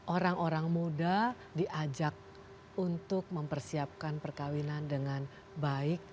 orang orang muda diajak untuk mempersiapkan perkawinan dengan baik